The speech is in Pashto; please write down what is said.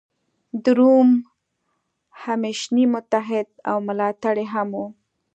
د روم همېشنی متحد او ملاتړی هم و.